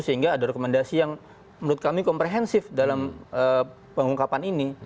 sehingga ada rekomendasi yang menurut kami komprehensif dalam pengungkapan ini